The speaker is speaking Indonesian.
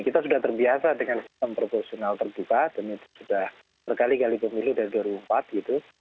kita sudah terbiasa dengan sistem proporsional terbuka dan itu sudah berkali kali pemilu dari dua ribu empat gitu